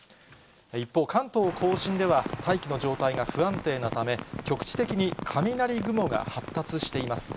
一方、関東甲信では大気の状態が不安定なため、局地的に雷雲が発達しています。